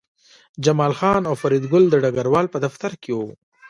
جمال خان او فریدګل د ډګروال په دفتر کې وو